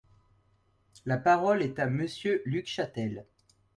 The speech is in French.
La parole est à Monsieur Luc Chatel.